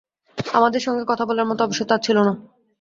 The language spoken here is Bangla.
আমাদের সঙ্গে কথা বলার মতো অবসর তাঁর ছিল না।